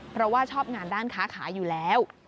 เพราะว่าชอบงานด้านค้าขายอยู่แล้ว